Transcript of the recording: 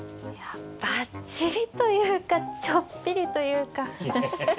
いやばっちりというかちょっぴりというか。